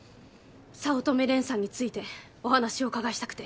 早乙女蓮さんについてお話をお伺いしたくて。